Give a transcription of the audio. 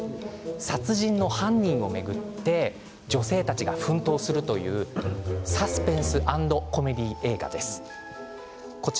殺人の犯人を巡って女性たちが奮闘するというサスペンス＆コメディー映画です。